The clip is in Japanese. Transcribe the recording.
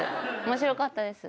面白かったです。